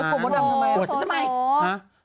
พี่โรดำทำไร